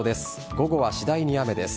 午後は次第に雨です。